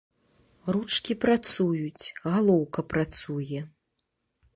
Ручкі працуюць, галоўка працуе.